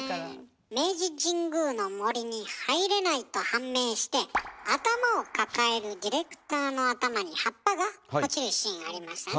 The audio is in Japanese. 明治神宮の森に入れないと判明して頭を抱えるディレクターの頭に葉っぱが落ちるシーンありましたね。